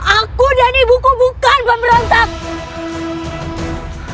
aku dan ibuku bukan pemberontak